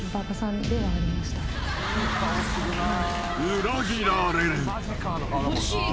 ［裏切られる］